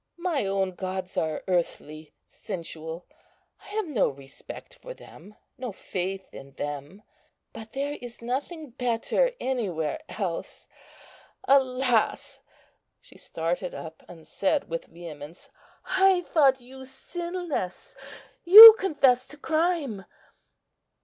My own gods are earthly, sensual; I have no respect for them, no faith in them. But there is nothing better anywhere else.... Alas!..." She started up, and said with vehemence, "I thought you sinless; you confess to crime....